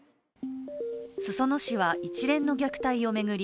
裾野市は一連の虐待を巡り